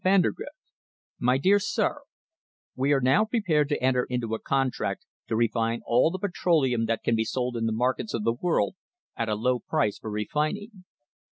J. Vandergrift: My dear Sir — We are now prepared to enter into a contract to refine all the petroleum that can be sold in the markets of the world at a low price for refining.